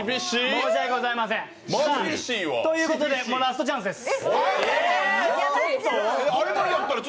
申し訳ございません、ということでもうラストチャンスです。